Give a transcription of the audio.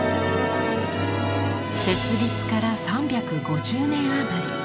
設立から３５０年あまり。